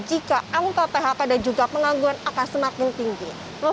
jika angka phk dan juga pengangguan akan semakin tinggi